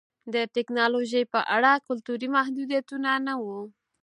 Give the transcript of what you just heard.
د ټکنالوژۍ په اړه کلتوري محدودیتونه نه وو